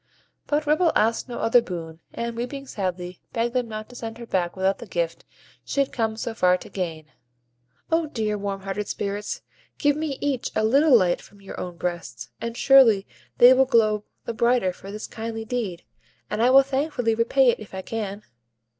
But Ripple asked no other boon, and, weeping sadly, begged them not to send her back without the gift she had come so far to gain. "O dear, warm hearted Spirits! give me each a little light from your own breasts, and surely they will glow the brighter for this kindly deed; and I will thankfully repay it if I can."